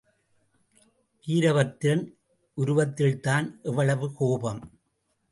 வீரபத்திரன் உருவத்தில்தான் எவ்வளவு கோபம்!